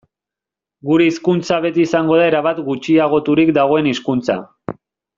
Gure hizkuntza beti izango da erabat gutxiagoturik dagoen hizkuntza.